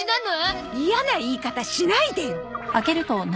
嫌な言い方しないでよ。